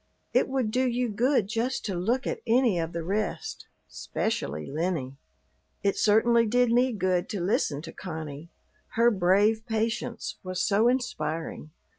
It would do you good just to look at any of the rest, 'specially Lennie." It certainly did me good to listen to Connie, her brave patience was so inspiring.